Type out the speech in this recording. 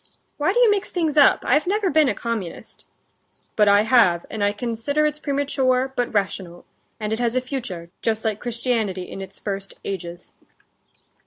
"Why do you mix things up? I've never been a communist." "But I have, and I consider it's premature, but rational, and it has a future, just like Christianity in its first ages."